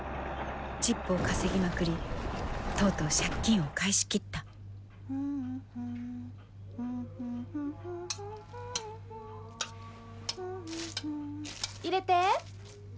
チップを稼ぎまくりとうとう借金を返し切った入れて。